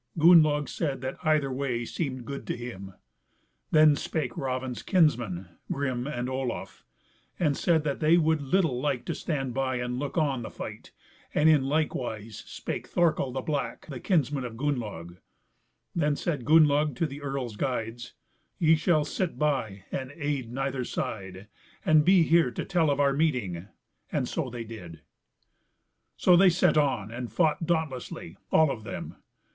Gunnlaug said that either way seemed good to him. Then spake Raven's kinsmen, Grim and Olaf, and said that they would little like to stand by and look on the fight, and in like wise spake Thorkel the Black, the kinsman of Gunnlaug. Then said Gunnlaug to the earl's guides, "Ye shall sit by and aid neither side, and be here to tell of our meeting;" and so they did. So they set on, and fought dauntlessly, all of them.